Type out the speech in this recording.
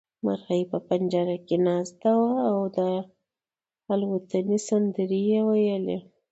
مرغۍ په پنجره کې ناسته وه او د الوتنې سندرې يې ويلې.